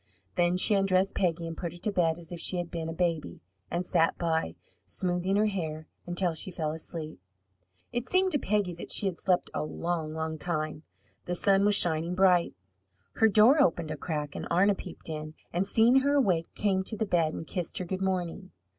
Then she undressed Peggy and put her to bed as if she had been a baby, and sat by, smoothing her hair, until she fell asleep. It seemed to Peggy that she had slept a long, long time. The sun was shining bright. Her door opened a crack and Arna peeped in, and seeing her awake, came to the bed and kissed her good morning.